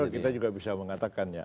kita juga bisa mengatakan ya